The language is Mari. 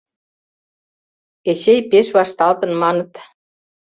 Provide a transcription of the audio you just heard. Эчей пеш вашталтын, маныт?